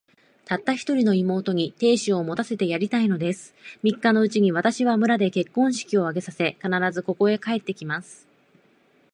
たった一人の妹に、亭主を持たせてやりたいのです。三日のうちに、私は村で結婚式を挙げさせ、必ず、ここへ帰って来ます。